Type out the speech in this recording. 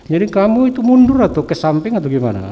jadi kamu itu mundur atau ke samping atau gimana